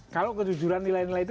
kalau kejujuran nilai nilai itu